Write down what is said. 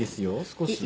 少し。